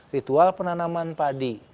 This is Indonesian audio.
ritual penanaman padi